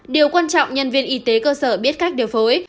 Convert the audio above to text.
điều quan trọng nhân viên y tế cơ sở biết cách điều phối